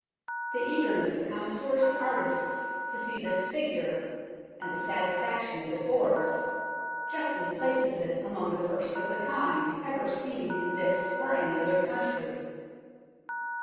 The eagerness of connoisseurs and artists to see this figure, and the satisfaction it affords, justly places it among the first of the kind ever seen in this or any other country."